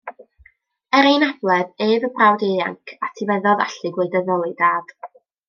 Er ei anabledd, ef, y brawd ieuanc, a etifeddodd allu gwleidyddol ei dad.